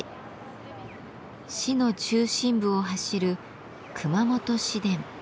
市の中心部を走る「熊本市電」。